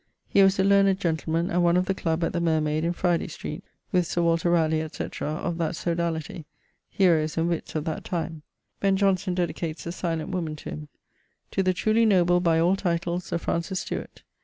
He was a learned gentleman, and one of the club at the Mermayd, in Fryday street, with Sir Walter Ralegh, etc., of that sodalitie: heroes and witts of that time. Ben Jonson dedicates The Silent Woman to him. 'To the truly noble by all titles Sir Francis Stuart.